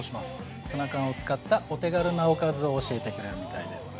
ツナ缶を使ったお手軽なおかずを教えてくれるみたいです。